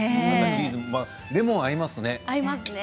チーズもレモンが合いますね。